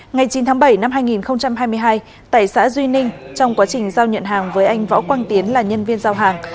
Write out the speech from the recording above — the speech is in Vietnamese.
ngày chín tháng bảy năm hai nghìn hai mươi hai tại xã duy ninh trong quá trình giao nhận hàng với anh võ quang tiến là nhân viên giao hàng